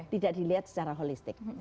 tidak dilihat secara holistik